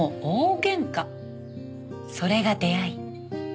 それが出会い。